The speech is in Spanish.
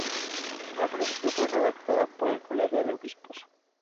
Al principio fue redactada por el Colegio de Obispos.